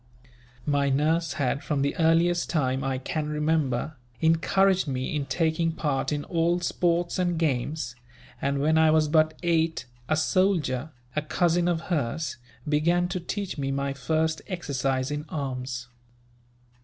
"My nurse had, from the earliest time I can remember, encouraged me in taking part in all sports and games; and when I was but eight a soldier, a cousin of hers, began to teach me my first exercise in arms.